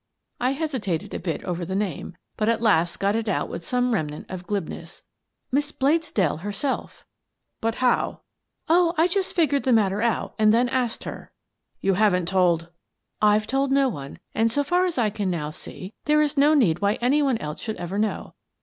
I hesitated a bit over the name, but at last got it out with some remnant of glibness. " Miss Bladesdell herself." " But how —"" Oh, I just figured the matter out and then asked her." "I Seem to Be Doomed " 247 " You haven't told —"" I've told no one, and so far as I can now see, there is no need why any one else should ever know.